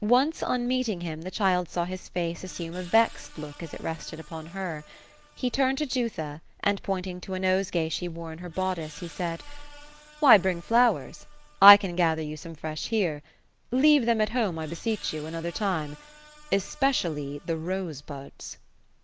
Once, on meeting him, the child saw his face assume a yezed look, as it rested upon her. He turned to Jutha, and pointing to a nosegay she wore in her boddice, he said, *^ Why bring flowers? I can gather you some fresh, here. Leave them at home, I beseech you, another time ; especially the rosebuds.'